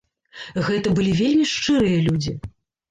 Гэта былі вельмі шчырыя людзі.